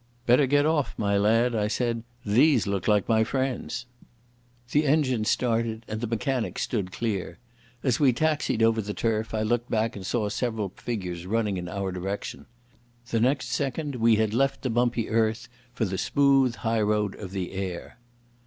"Better get off, my lad," I said. "These look like my friends." The engine started and the mechanics stood clear. As we taxied over the turf I looked back and saw several figures running in our direction. The next second we had left the bumpy earth for the smooth highroad of the air.